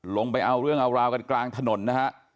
ไปเอาเรื่องเอาราวกันกลางถนนนะฮะ